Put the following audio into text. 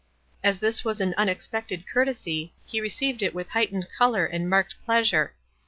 As this was an unexpected courtesy, he received it with height ened color and marked pleasure.